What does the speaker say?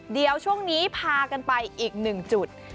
เดี๋ยวช่วงนี้พากันไปอีกหนึ่งจุด